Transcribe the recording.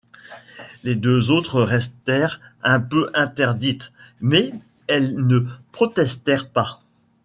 Les deux autres restèrent un peu interdites ; mais elles ne protestèrent pas.